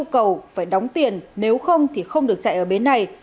cầu phải đóng tiền nếu không thì không được chạy ở bến này